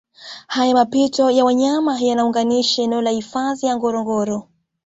Haya mapito ya wanyama yanaunganisha eneo la hifadhi ya Ngorongoro